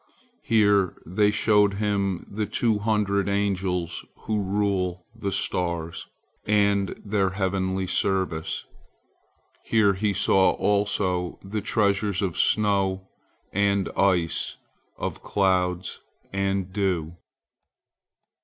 Here they showed him the two hundred angels who rule the stars, and their heavenly service. Here he saw also the treasuries of snow and ice, of clouds and dew.